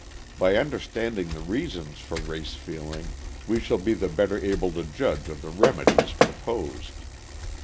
By understanding the reasons for race feeling we shall be the better able to judge of the remedies proposed.